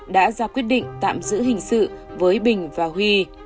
đã ra quyết định tạm giữ hình sự với bình và huy